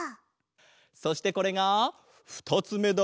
そしてこれがふたつめだ！